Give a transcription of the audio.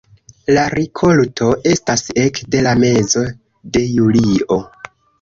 La rikolto estas ekde la mezo de julio.